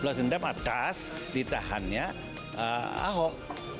jelas dendam atas ditahannya ahok